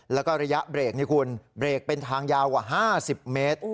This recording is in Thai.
แล้วก็ระยะเบรกนี้คุณเบรกเป็นทางยาวกว่า๕๐เมตร